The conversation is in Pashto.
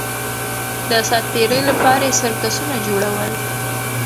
د ساتېرۍ لپاره یې سرکسونه جوړول